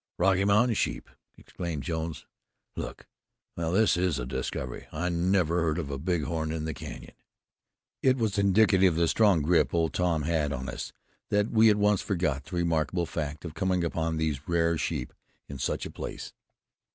"Rocky Mountain sheep!" exclaimed Jones. "Look! Well, this is a discovery. I never heard of a bighorn in the Canyon." It was indicative of the strong grip Old Tom had on us that we at once forgot the remarkable fact of coming upon those rare sheep in such a place.